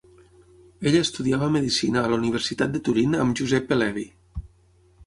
Ell estudiava medicina a la Universitat de Turin amb Giuseppe Levi.